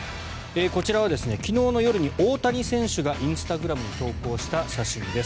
こちらは昨日の夜に大谷選手がインスタグラムに投稿した写真です。